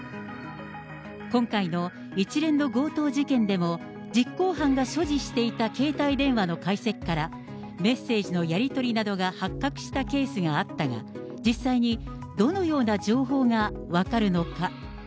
今回の一連の強盗事件でも、実行犯が所持していた携帯電話の解析から、メッセージのやり取りなどが発覚したケースがあったが、実際に、どのような情報が分かるのか。